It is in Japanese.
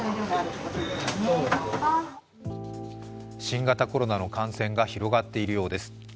新型コロナの感染が広がっているようです。